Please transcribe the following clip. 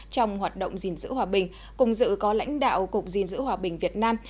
trong hoạt động diễn giữ hòa bình cùng dự có lãnh đạo cục diễn giữ hòa bình việt nam